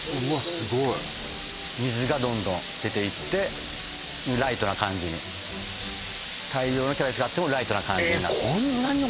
すごい水がどんどん出ていってライトな感じに大量のキャベツがあってもライトな感じになっていや